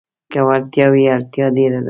که وړتيا وي، اړتيا ډېره ده.